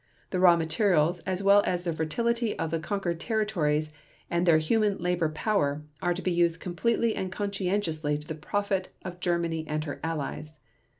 The raw materials, as well as the fertility of the conquered territories and their human labor power, are to be used completely and conscientiously to the profit of Germany and her allies